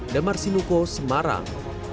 demar sinuko semarang